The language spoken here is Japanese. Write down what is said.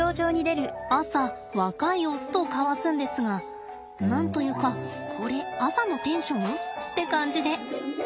朝若いオスと交わすんですが何と言うかこれ朝のテンション？って感じで。